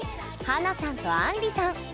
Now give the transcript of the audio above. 華さんと、あんりさん。